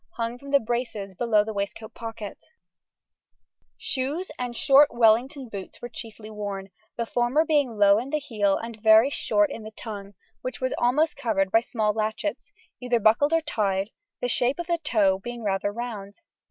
hung from the braces, below waistcoat pocket. [Illustration: FIG. 113. 1830 1840.] Shoes and short Wellington boots were chiefly worn, the former being low in the heel and very short in the tongue, which was almost covered by small latchets, either buckled or tied, the shape of the toe being rather round.